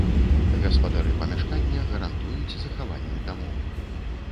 Гаспадары памяшкання гарантуюць захаванне дамовы.